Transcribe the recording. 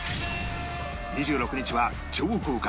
２６日は超豪華！